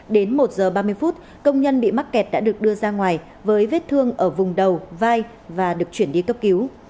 đến một giờ ba mươi phút công nhân bị mắc kẹt đã được đưa ra ngoài với vết thương ở vùng đầu vai và được chuyển đi cấp cứu